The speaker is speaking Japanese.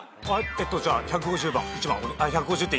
えっとじゃあ１５０番１番あっ１５０点